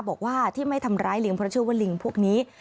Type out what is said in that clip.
บอกว่าที่ไม่ทำร้ายลิงเพราะเชื่อว่าลิงพวกนี้